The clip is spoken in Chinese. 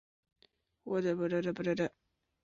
而在战术导轨之间设有一排散热孔以加快降温。